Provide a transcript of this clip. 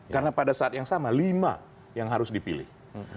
karena pada saat yang sama lima yang harus dipilih